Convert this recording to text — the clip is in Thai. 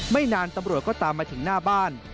ไม่นานตำรวจก็ตามมาถึงหน้าบ้าน